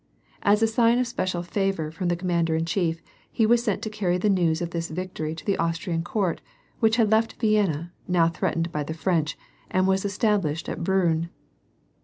As a sign of special favor from the commander in chief, he was sent to carry the news of this victory to the Austrian Court, which had left Vienna, now threatened* by the French, and was established at Briinn.